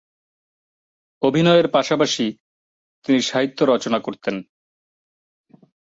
অভিনয়ের পাশাপাশি তিনি সাহিত্য রচনা করতেন।